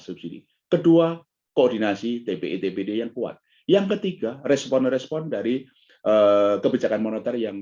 subsidi kedua koordinasi tbi dpd yang kuat yang ketiga respon respon dari kebijakan moneter yang